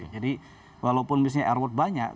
jadi walaupun misalnya airport banyak